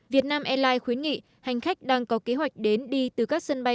vietnam airlines khuyến nghị hành khách đang có kế hoạch đến đi từ các sân bay